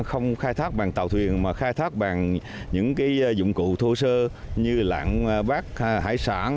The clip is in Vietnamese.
không khai thác bằng tàu thuyền mà khai thác bằng những dụng cụ thô sơ như lạng bát hải sản